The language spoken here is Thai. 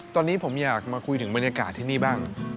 ตอนนี้ผมอยากมาคุยถึงบรรยากาศที่นี่บ้าง